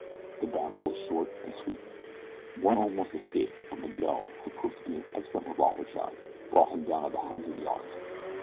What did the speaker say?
The battle was short and sweet. One almost escaped but Miguel, who proved to be an excellent revolver shot, brought him down at a hundred yards.